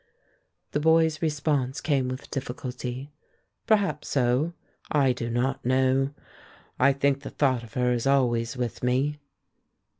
The boy's response came with difficulty: "Perhaps so. I do not know. I think the thought of her is always with me."